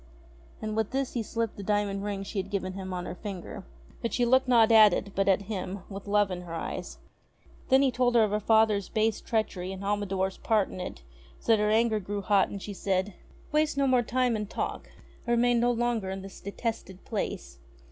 And with this he slipped the diamond ring she had given him on her finger. But she looked not at it, but at him, with love in her eyes. Then he told her of her father's base treachery and Al midor's part in it, so that her anger grew hot and she cried : 14 ST. GEORGE OF MERRIE ENGLAND 15 *' Waste no more time in talk. I remain no longer in this detested place.